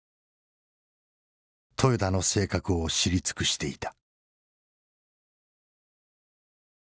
豊田の性格を知り尽くしていた。